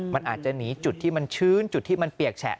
มันอาจจะหนีจุดที่มันชื้นจุดที่มันเปียกแฉะ